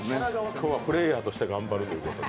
今日はプレーヤーとして頑張るということで。